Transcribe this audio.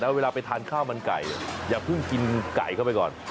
เวลาไปทานข้าวมันไก่อย่าเพิ่งกินไก่เข้าไปก่อน